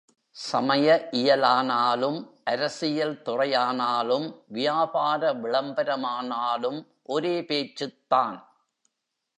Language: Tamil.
சமய இயலானாலும், அரசியல் துறையானாலும், வியாபார விளம்பரமானாலும் ஒரே பேச்சுத் தான்.